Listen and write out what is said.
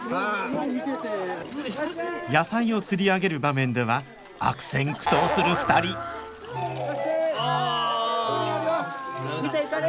野菜を釣り上げる場面では悪戦苦闘する２人あ駄目だ。